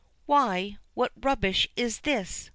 "Why what rubbish is this?"